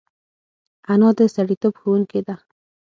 انا د سړیتوب ښوونکې ده